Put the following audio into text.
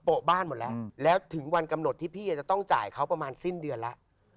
บ้านหมดแล้วแล้วถึงวันกำหนดที่พี่จะต้องจ่ายเขาประมาณสิ้นเดือนแล้ว